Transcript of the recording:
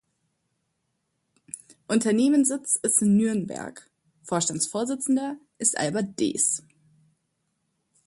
Unternehmenssitz ist Nürnberg, Vorstandsvorsitzender ist Albert Deß.